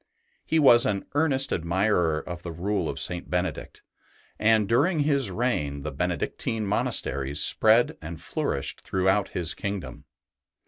He was an earnest admirer of the Rule of St. Benedict, and during his reign the Benedictine monasteries spread and flourished throughout his kingdom.